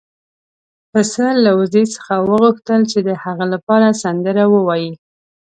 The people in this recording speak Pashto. پسه له وزې څخه وغوښتل چې د هغه لپاره سندره ووايي.